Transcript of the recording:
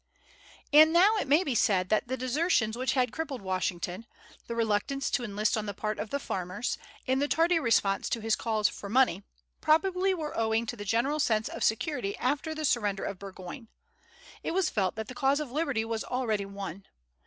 And now it may be said that the desertions which had crippled Washington, the reluctance to enlist on the part of the farmers, and the tardy response to his calls for money, probably were owing to the general sense of security after the surrender of Burgoyne. It was felt that the cause of liberty was already won.